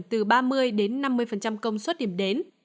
từ ba mươi đến ba mươi tháng